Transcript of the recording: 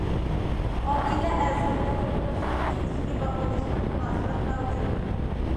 ئائىلە ئەزالىرى ئوتتۇرىسىدا ئىچكى باغلىنىشلىق مۇناسىۋەت مەۋجۇت.